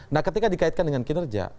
nah ketika dikaitkan dengan kinerja